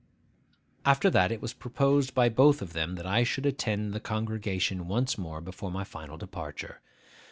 After that it was proposed by both of them that I should attend the congregation once more before my final departure.